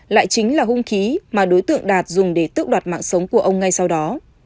lại chính là hung khí mà đối tượng đạt dùng để tước đoạt mạng sống của ông ngay sau đó